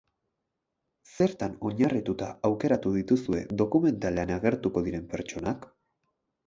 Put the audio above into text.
Zertan oinarrituta aukeratu dituzue dokumentalean agertuko diren pertsonak?